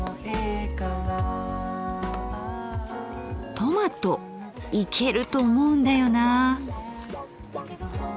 トマトいけると思うんだよな。